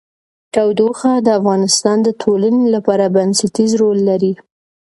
تودوخه د افغانستان د ټولنې لپاره بنسټيز رول لري.